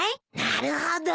なるほど。